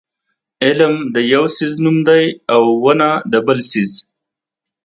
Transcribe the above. علم د یو څیز نوم دی او ونه د بل څیز.